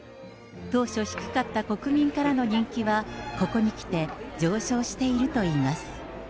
当初、低かった国民からの人気は、ここにきて上昇しているといいます。